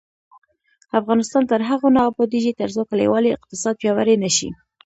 افغانستان تر هغو نه ابادیږي، ترڅو کلیوالي اقتصاد پیاوړی نشي.